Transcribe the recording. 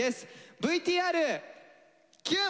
ＶＴＲキュン！